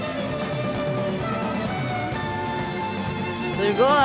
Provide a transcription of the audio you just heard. すごい。